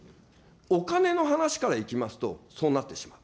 お金の話からいきますと、そうなってしまう。